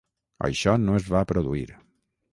Això no es va produir.